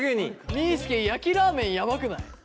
みーすけ焼きラーメンヤバくない？